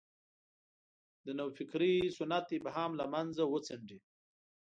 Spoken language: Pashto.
د نوفکرۍ سنت ابهام له مخه وڅنډي.